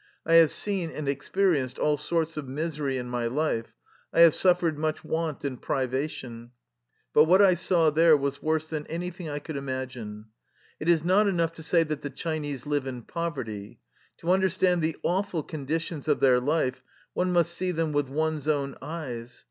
I have seen and experienced all sorts of misery in my life, I have suffered much want and privation, but what I saw there was worse than anything I could im agine. It is not enough to say that the Chinese live in poverty. To understand the awful con ditions of their life, one must see them with one's own eyes.